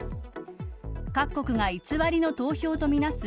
各国が偽りの投票とみなす